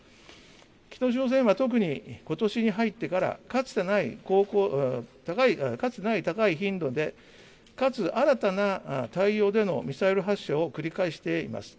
北朝鮮は特にことしに入ってから、かつてない高い頻度でかつ新たな態様でのミサイル発射を繰り返しています。